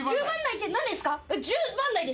１０番台ですか？